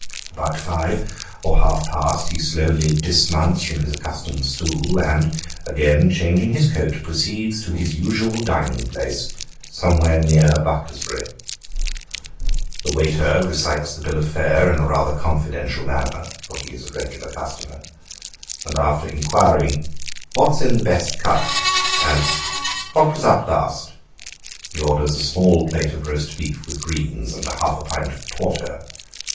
About five, or half past, he slowly dismounts from his accustomed stool, and again changing his coat, proceeds to his usual dining place, somewhere near Bucklersbury. The waiter recites the bill of fare in a rather confidential manner for he is a regular customer and after inquiring " What's in the best cut ?" and "What was up last?" he orders a small plate of roast beef, with greens, and half a pint of porter.